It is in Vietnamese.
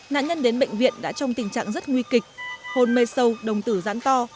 nạn nhân đến bệnh viện đã trong tình trạng rất nguy kịch hôn mê sâu đồng tử rán to